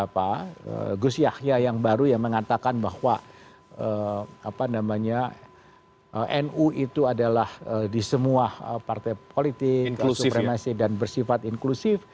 pak gus yahya yang baru yang mengatakan bahwa nu itu adalah di semua partai politik dan bersifat inklusif